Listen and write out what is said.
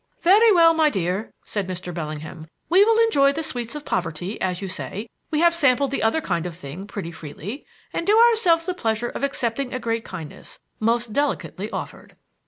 "Very well, my dear," said Mr. Bellingham; "we will enjoy the sweets of poverty, as you say we have sampled the other kind of thing pretty freely and do ourselves the pleasure of accepting a great kindness, most delicately offered."